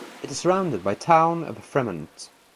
It is surrounded by Town of Fremont.